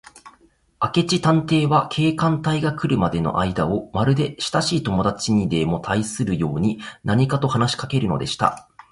明智探偵は、警官隊が来るまでのあいだを、まるでしたしい友だちにでもたいするように、何かと話しかけるのでした。